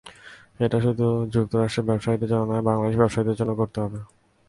এটা শুধু যুক্তরাষ্ট্রের ব্যবসায়ীদের জন্যই নয়, বাংলাদেশের ব্যবসায়ীদের জন্যও করতে হবে।